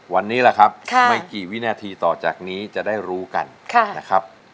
วันนี้แหละครับไม่กี่วินาทีต่อจากนี้จะได้รู้กันนะครับ